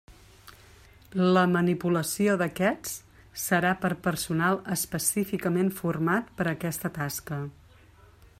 La manipulació d'aquests serà per personal específicament format per a aquesta tasca.